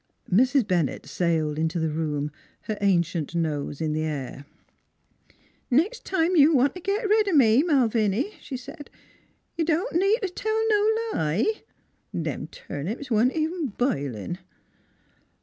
Mrs. Bennett sailed into the room, her ancient nose in the air. " Nex' time you want t' git red o' me, Malviny," she said, " you don't need t' tell no lie : them turnips wa'n't even bilin' !